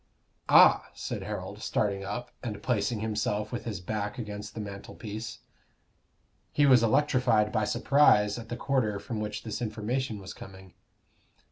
"Ah!" said Harold, starting up, and placing himself with his back against the mantelpiece. He was electrified by surprise at the quarter from which this information was coming.